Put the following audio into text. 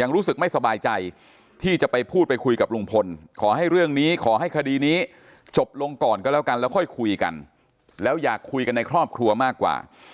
ยังรู้สึกไม่สบายใจที่จะไปพูดไปคุยกับลุงพลขอให้เรื่องนี้ขอให้คดีนี้จบลงก่อนก็แล้วกันแล้วค่อยคุยกันแล้วอยากคุยกันในครอบครัวมากกว่า